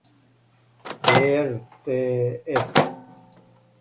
ер те ес